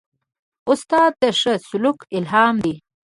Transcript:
استاد د ښه سلوک الهام دی.